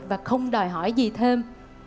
và không đòi hỏi gì thêm